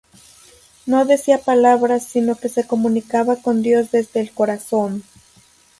No decía palabras sino que se comunicaba con Dios desde el corazón.